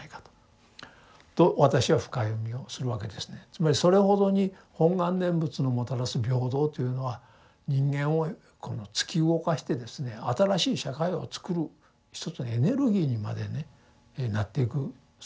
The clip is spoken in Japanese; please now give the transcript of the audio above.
つまりそれほどに本願念仏のもたらす平等というのは人間を突き動かしてですね新しい社会をつくる一つのエネルギーにまでねなっていくそういうものだと思いますね。